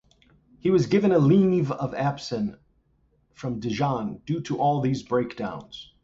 He was given a leave of absence from Dijon due to all these breakdowns.